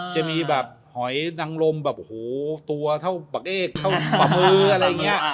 จะมีแบบหอยนังลมแบบโอ้โหตัวเท่าบักเอ้เท่าฝ่ามืออะไรอย่างนี้